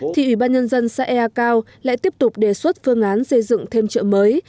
thì ủy ban nhân dân xã ea cao lại tiếp tục đề xuất phương án xây dựng thêm chợ mới